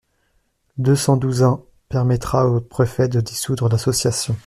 deux cent douze-un permettra au préfet de dissoudre l’association.